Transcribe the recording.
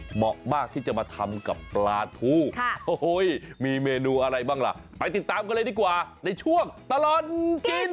เหมาะมากที่จะมาทำกับปลาทูมีเมนูอะไรบ้างล่ะไปติดตามกันเลยดีกว่าในช่วงตลอดกิน